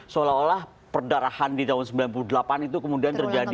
seolah olah perdarahan di tahun sembilan puluh delapan itu kemudian terjadi